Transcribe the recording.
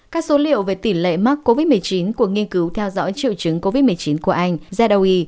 các số liệu về tỉ lệ mắc covid một mươi chín của nghiên cứu theo dõi triệu chứng covid một mươi chín của anh ra đầu y